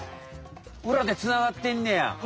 ウラでつながってんねや。